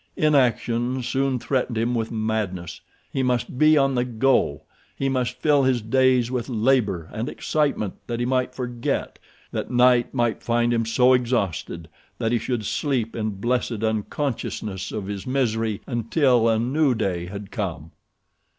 Inaction soon threatened him with madness. He must be on the go. He must fill his days with labor and excitement that he might forget—that night might find him so exhausted that he should sleep in blessed unconsciousness of his misery until a new day had come.